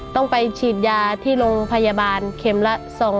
ต้องไปฉีดยาที่โรงพยาบาลเข็มละ๒๐๐